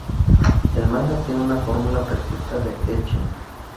El manga tiene una fórmula perfecta de Ecchi.